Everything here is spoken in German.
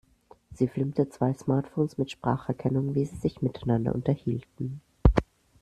Sie filmte zwei Smartphones mit Spracherkennung, wie sie sich miteinander unterhielten.